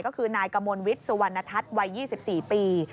ก็คือนายกมลวิทย์สุวรรณทัศน์วัย๒๔ปี